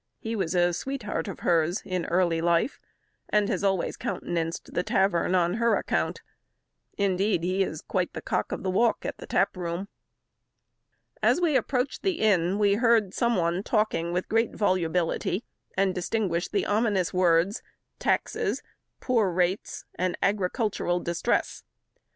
He was a sweetheart of hers in early life, and has always countenanced the tavern on her account. Indeed, he is quite "the cock of the walk" at the tap room. As we approached the inn, we heard some one talking with great volubility, and distinguished the ominous words "taxes," "poor's rates," and "agricultural distress."